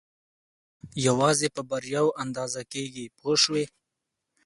یوازې په بریاوو اندازه کېږي پوه شوې!.